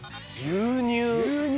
牛乳。